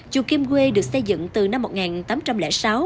chùa kim quê được xây dựng từ năm một nghìn tám trăm linh sáu